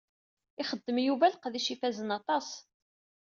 Ixdem Yuba leqdic ifazen aṭas.